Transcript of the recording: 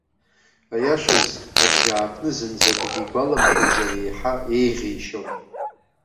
Аиашаз, абжьааԥны зынӡа акгьы игәаламшәаӡар еиҳа еиӷьеишьон.